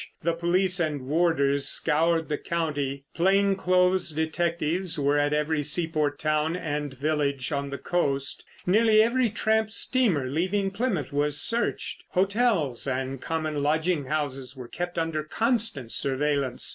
The police and warders scoured the county. Plain clothes detectives were at every seaport town and village on the coast. Nearly every tramp steamer leaving Plymouth was searched. Hotels and common lodging houses were kept under constant surveillance.